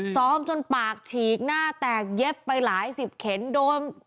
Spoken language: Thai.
ซ้อมจนปากฉีกหน้าแตกเย็บไปหลายสิบเข็มโดน